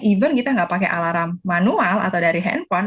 even kita nggak pakai alarm manual atau dari handphone